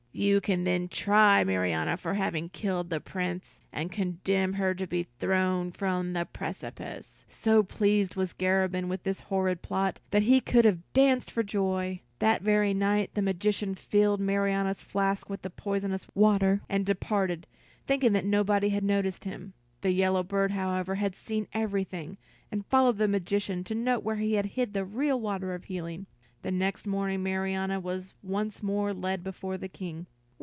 You can then try Marianna for having killed the Prince, and condemn her to be thrown from the precipice." So pleased was Garabin with this horrid plot, that he could have danced for joy. That very night, the magician filled Marianna's flask with the poisonous water, and departed, thinking that nobody had noticed him. The yellow bird, however, had seen everything, and followed the magician to note where he hid the real water of healing. The next morning Marianna was once more led before the King.